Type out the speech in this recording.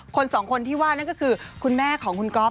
สองคนที่ว่านั่นก็คือคุณแม่ของคุณก๊อฟ